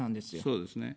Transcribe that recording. そうですね。